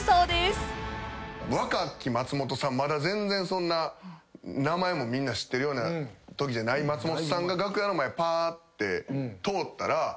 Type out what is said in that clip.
まだ全然そんな名前もみんな知ってるようなときじゃない松本さんが楽屋の前ぱって通ったら。